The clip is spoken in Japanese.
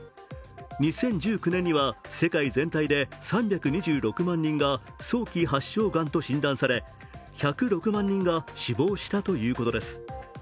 ２０１９年には世界全体で３２６万人が早期発症がんと診断され１０６万人が死亡したということです。